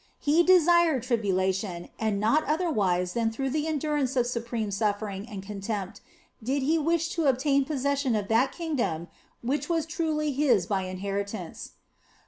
He desired tribulation, and not otherwise than through the endurance of supreme suffering and con tempt did He wish to obtain possession of that kingdom which was truly His by inheritance.